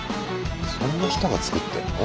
そんな人が作ってんの？